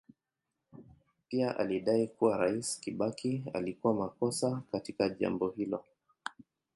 Pia alidai kuwa Rais Kibaki alikuwa makosa katika jambo hilo.